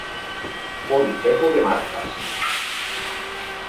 Consejo de Marcas.